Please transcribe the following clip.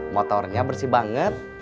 motornya bersih banget